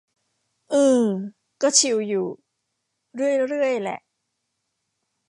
อือ ก็ชิลอยู่ เรื่อยเรื่อยแหละ